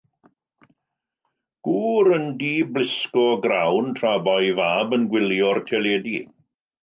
Gŵr yn diblisgo grawn tra bo'i fab yn gwylio'r teledu.